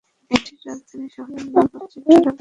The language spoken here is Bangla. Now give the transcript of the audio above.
এটির রাজধানী শহরের নাম হচ্ছে ডেরা গাজী খান।